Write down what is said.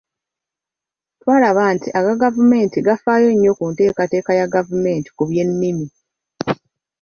Twalaba nti aga gavumenti gafaayo nnyo ku nteekateeka ya gavumenti ku by’ennimi.